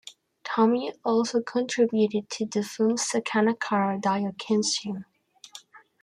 Tamio also contributed to the films Sakana kara daiokishin!!